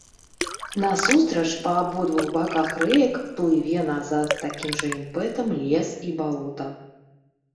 Насустрач па абодвух баках рэек плыве назад з такім жа імпэтам лес і балота.